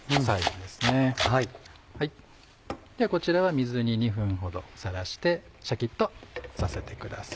ではこちらは水に２分ほどさらしてシャキっとさせてください。